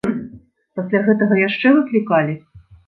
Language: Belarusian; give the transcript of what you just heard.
Пасля гэтага яшчэ выклікалі?